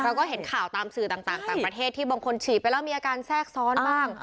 เราก็เห็นข่าวตามสื่อต่างต่างประเทศที่บางคนฉีดไปแล้วมีอาการแทรกซ้อนบ้าง